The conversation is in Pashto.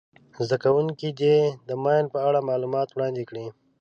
زده کوونکي دې د ماین په اړه معلومات وړاندي کړي.